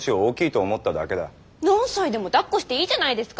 何歳でもだっこしていいじゃないですか。